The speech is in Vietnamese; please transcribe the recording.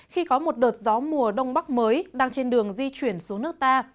khi có một đợt gió mùa đông bắc mới đang trên đường di chuyển xuống nước ta